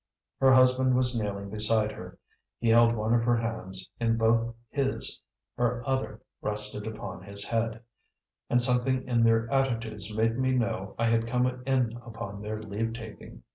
Her husband was kneeling beside her; he held one of her hands in both his, her other rested upon his head; and something in their attitudes made me know I had come in upon their leave taking.